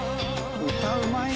歌うまいね。